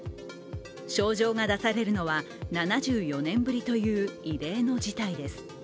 招状が出されるのは７４年ぶりという異例の事態です。